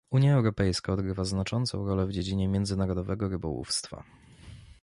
Unia Europejska odgrywa znaczącą rolę w dziedzinie międzynarodowego rybołówstwa